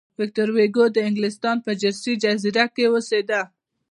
ویکتور هوګو د انګلستان په جرسي جزیره کې اوسېده.